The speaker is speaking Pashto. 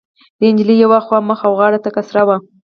د نجلۍ يوه خوا مخ او غاړه تکه سره وه.